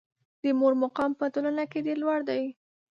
د مور مقام په ټولنه کې ډېر لوړ ده.